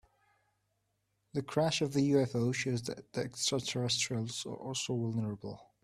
The crash of the UFO shows that extraterrestrials are also vulnerable.